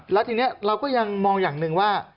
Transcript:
แล้วทีนี้เราก็ยังมองอย่างหนึ่งว่า